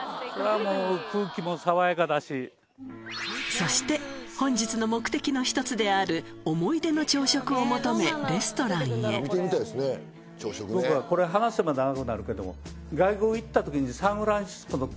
そして本日の目的の１つである思い出の朝食を求めレストランへ僕はこれ話せば長くなるけども外国行った時に。